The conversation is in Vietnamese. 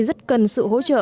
rất cần sự hỗ trợ